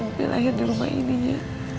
dia lahir di rumah ininya